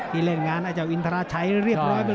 ที่เล่นงานอาจารย์อินทราชัยเรียบร้อยไปเลย